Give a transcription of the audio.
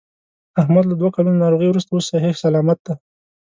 احمد له دوه کلونو ناروغۍ ورسته اوس صحیح صلامت دی.